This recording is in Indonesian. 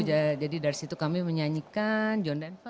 jadi dari situ kami menyanyikan john denver